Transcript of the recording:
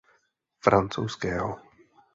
Francouzského.